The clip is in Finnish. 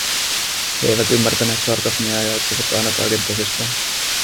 He eivät ymmärtäneet sarkasmia ja ottivat aina kaiken tosissaan.